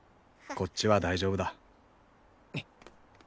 こっちは大丈夫だ。